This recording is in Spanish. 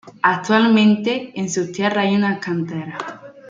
Actualmente en sus tierras hay unas canteras.